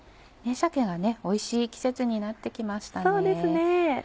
鮭がおいしい季節になって来ましたね。